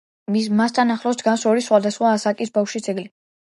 მასთან ახლოს დგას ორი სხვადასხვა ასაკის ბავშვის ძეგლი.